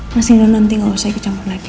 masingan nanti gak usah ikut campur lagi